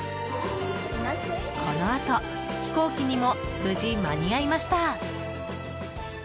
このあと飛行機にも無事、間に合いました。